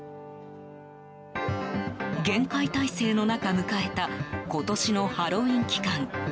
厳戒態勢の中迎えた今年のハロウィーン期間。